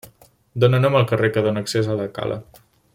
Dóna nom al carrer que dóna accés a la cala.